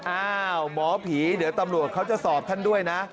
อ้าวหมอผีเดี๋ยวตำรวจเขาจะสอบท่านด้วยนะ